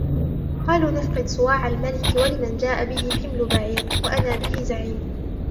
قَالُوا نَفْقِدُ صُوَاعَ الْمَلِكِ وَلِمَنْ جَاءَ بِهِ حِمْلُ بَعِيرٍ وَأَنَا بِهِ زَعِيمٌ